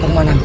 mau kemana lu